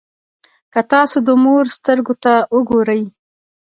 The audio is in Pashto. که تاسو د مور سترګو ته وګورئ.